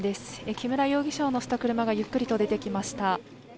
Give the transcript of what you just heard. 木村容疑者を乗せた車がゆっくりと出てきました。